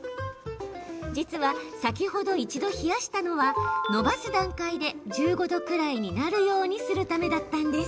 実は先ほど一度、冷やしたのはのばす段階で１５度くらいになるようにするためだったんです。